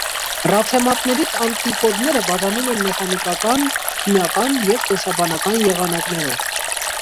Ռացեմատներից անտիպոդները բաժանում են մեխանիկական, քիմիական և կենսբանական եղանակներով։